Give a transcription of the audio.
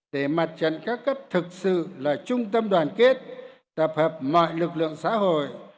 để mặt trận các cấp thực sự là trung tâm đoàn kết tập hợp mọi lực lượng xã hội